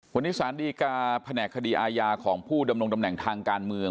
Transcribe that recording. วันนี้สารดีกาแผนกคดีอาญาของผู้ดำรงตำแหน่งทางการเมือง